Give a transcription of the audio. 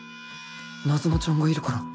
ナズナちゃんがいるから